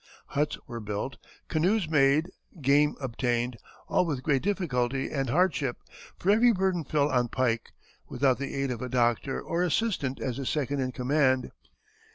Huts were built, canoes made, game obtained, all with great difficulty and hardship, for every burden fell on Pike, without the aid of a doctor or assistant as his second in command.